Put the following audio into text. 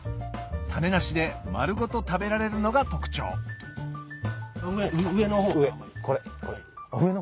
種なしで丸ごと食べられるのが特徴これ？